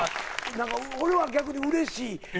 何か俺は逆にうれしい。